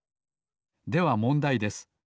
ではもんだいです。